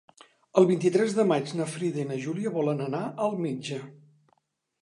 El vint-i-tres de maig na Frida i na Júlia volen anar al metge.